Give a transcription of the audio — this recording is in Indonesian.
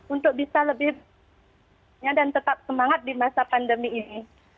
untuk bisa lebih dan tetap semangat di masa pandemi ini